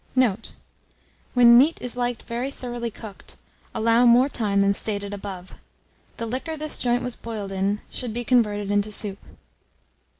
Note. When meat is liked very thoroughly cooked, allow more time than stated above. The liquor this joint was boiled in should be converted into soup.